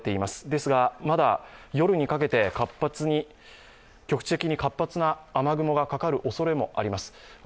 ですが、まだ夜にかけて局地的に活発な雨が降るおそれもあります。